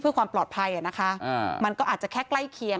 เพื่อความปลอดภัยนะคะมันก็อาจจะแค่ใกล้เคียง